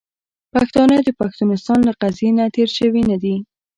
پښتانه د پښتونستان له قضیې نه تیر شوي نه دي .